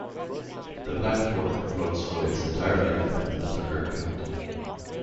The Black Fork flows for its entire length in Tucker County.